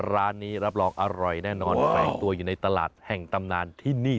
ร้านนี้รับรองอร่อยแน่นอนแฝงตัวอยู่ในตลาดแห่งตำนานที่นี่